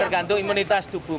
tergantung imunitas tubuh